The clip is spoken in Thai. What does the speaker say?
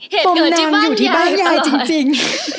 เห็นเกิดอยู่บ้านยายตลอดปมนางอยู่ที่บ้านยายจริง